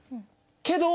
けど。